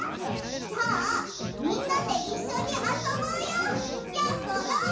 じゃあみんなでいっしょにあそぼうよやころ！